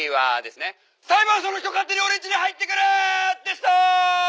「裁判所の人勝手に俺んちに入ってくる」でした！